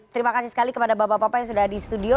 terima kasih sekali kepada bapak bapak yang sudah di studio